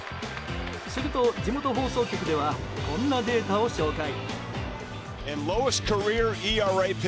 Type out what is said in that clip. すると、地元放送局ではこんなデータを紹介。